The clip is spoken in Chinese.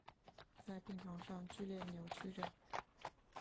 在病床上剧烈扭曲著